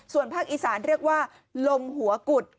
ส่วนภาคอีสานเรียกว่าลมหัวกุด